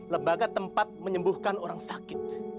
lembaga tempat menyembuhkan orang sakit